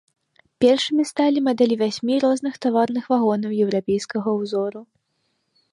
Першымі сталі мадэлі васьмі розных таварных вагонаў еўрапейскага ўзору.